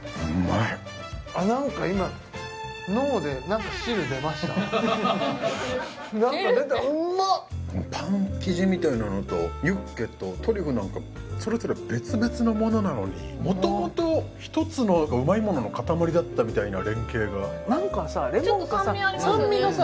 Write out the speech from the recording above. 何か今何か出たうまっパン生地みたいなのとユッケとトリュフなんかそれぞれ別々のものなのにもともと１つのうまいものの塊だったみたいな連係が何かさレモンかさ酸味がさ